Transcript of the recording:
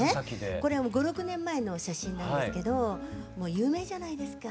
これ５６年前の写真なんですけどもう有名じゃないですか。